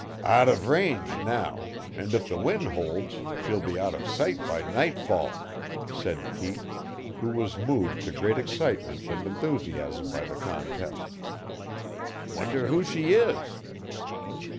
"Out of range now, an' if the wind holds she'll be out of sight by nightfall," said Pete, who was moved to great excitement and enthusiasm by the contest. "Wonder who she is?"